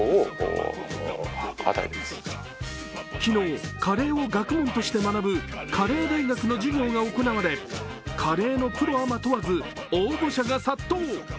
昨日、カレーを学問として学ぶカレー大學の授業が行われ、カレーのプロアマ問わず応募者が殺到。